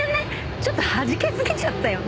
ちょっとはじけすぎちゃったよね。